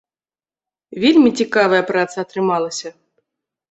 Вельмі цікавая праца атрымалася.